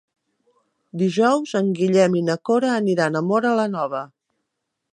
Dijous en Guillem i na Cora aniran a Móra la Nova.